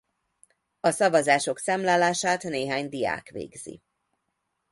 A szavazások számlálását néhány diák végzi.